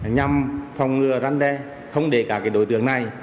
nhằm phòng ngừa răn đe không để các đối tượng này